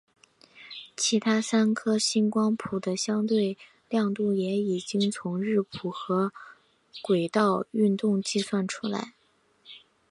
其他三颗星光谱的相对亮度也已经从日食和轨道运动计算出来。